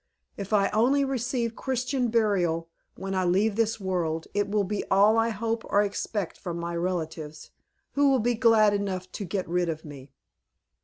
If I only receive Christian burial, when I leave the world, it will be all I hope or expect from my relatives, who will be glad enough to get rid of me."